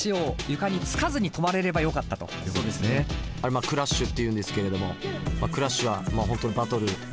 あれクラッシュっていうんですけれどもクラッシュは本当バトル。